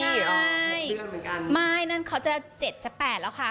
ใช่ไม่นั่นเขาจะ๗จะ๘แล้วค่ะ